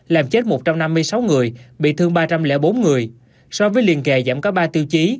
làm chết một trăm năm mươi sáu người bị thương ba trăm linh bốn người so với liên kề giảm cả ba tiêu chí